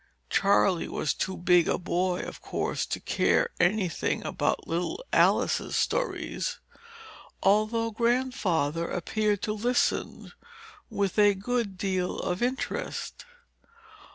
Charley was too big a boy, of course, to care any thing about little Alice's stories, although Grandfather appeared to listen with a good deal of interest.